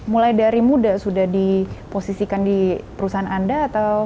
mulai dari muda sudah diposisikan di perusahaan anda atau